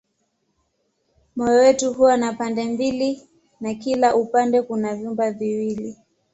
Moyo wetu huwa na pande mbili na kila upande kuna vyumba viwili.